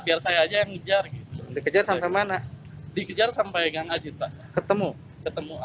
biar saya aja yang ngejar dikejar sampai mana dikejar sampai gang ajit ketemu ketemu